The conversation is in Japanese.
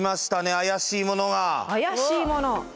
怪しいもの？